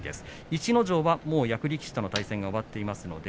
逸ノ城は役力士の対戦が終わっています。